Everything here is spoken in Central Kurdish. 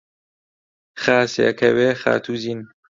خاسێ، کەوێ، خاتووزین